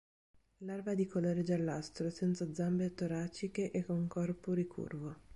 Larva di colore giallastro, senza zampe toraciche e con corpo ricurvo.